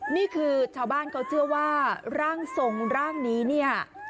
นี่คือชาวบ้านเขาเชื่อว่าร่างทรงร่างนี้เนี่ย